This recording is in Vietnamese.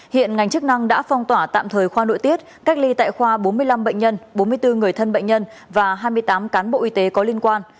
hiện ngành chức năng đã phong tỏa tạm thời khoa nội tiết cách ly tại khoa bốn mươi năm bệnh nhân bốn mươi bốn người thân bệnh nhân và hai mươi tám cán bộ y tế có liên quan